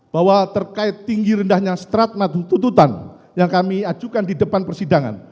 bahwa terkait tinggi rendahnya strat madu tututan yang kami ajukan di depan persidangan